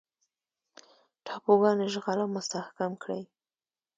ټاپوګان اشغال او مستحکم کړي.